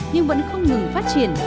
nhưng vẫn không ngừng phát triển